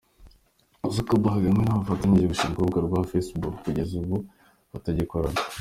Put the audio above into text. Zuckerberg hamwe n'abo bafatanyije gushinga urubuga rwa Facebook kugeza ubu batagikorana.